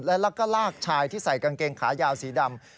แล้วก็ลากชายที่ใส่กางเกงขายาวสีดำ